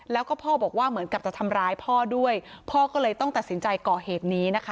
แล้วก็พ่อบอกว่าเหมือนกับจะทำร้ายพ่อด้วยพ่อก็เลยต้องตัดสินใจก่อเหตุนี้นะคะ